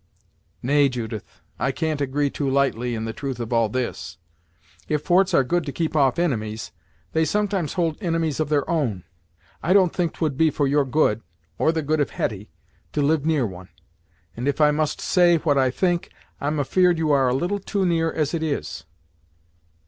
"Nay, Judith, I can't agree too lightly in the truth of all this. If forts are good to keep off inimies, they sometimes hold inimies of their own. I don't think 'twould be for your good, or the good of Hetty, to live near one; and if I must say what I think, I'm afeard you are a little too near as it is."